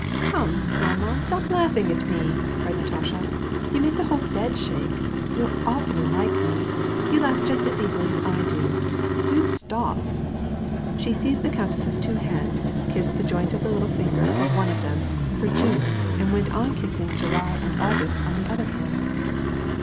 "Come, mamma, stop laughing at me!" cried Natasha. " You make the whole oed shake. You are awfully like me. You laugh just as easily as I do. Do stop !" She seized the countess's two hands, kissed the joint of the little finger of one of them for June, and went on kissing July and August on the other hand.